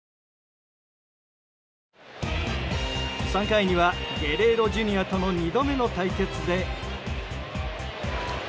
３回にはゲレーロＪｒ．との２度目の対決で。